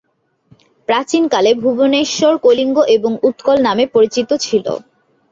প্রাচীন কালে ভুবনেশ্বর; "কলিঙ্গ" এবং "উৎকল" নামে পরিচিত ছিল।